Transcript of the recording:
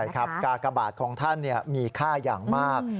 ใช่ครับกากบาทของท่านเนี่ยมีค่าอย่างมาก